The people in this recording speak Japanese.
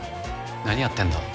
なにやってんだ？